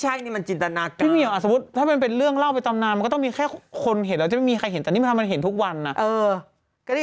อันนี้เป็นพี่ก็ได้ดึกอาจจะหลุดออกไป